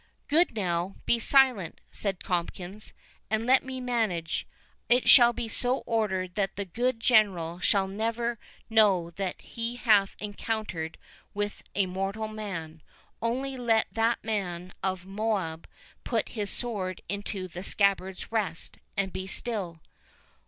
"Good now, be silent," said Tomkins, "and let me manage. It shall be so ordered that the good General shall never know that he hath encountered with a mortal man; only let that man of Moab put his sword into the scabbard's rest, and be still."